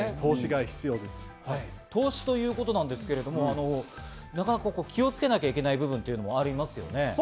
投資ということなんですけど、気をつけなきゃいけない部分というのもありますよね。